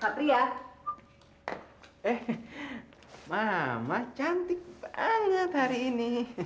katria eh mama cantik banget hari ini